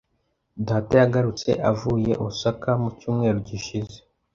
Data yagarutse avuye Osaka mu cyumweru gishize.